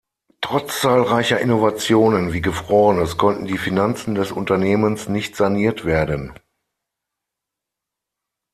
Trotz zahlreicher Innovationen wie Gefrorenes konnten die Finanzen des Unternehmens nicht saniert werden.